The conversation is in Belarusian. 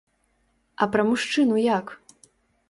А пра мужчыну як?